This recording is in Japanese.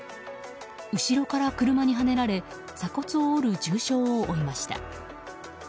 後ろから車にはねられ鎖骨を折る重傷を負いました。